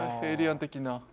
エイリアン的な。